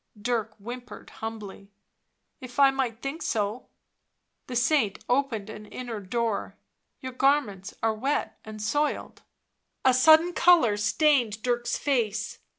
Dirk whimpered humbly : "If I might think so." The saint opened an inner door. " Your garments are wet and soiled." A sudden colour stained Dirk's face.